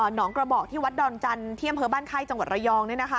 หนองกระบอกของวัดดอนจันที่เตี้ยวเคยบ้านไข้จังหวัดระยอง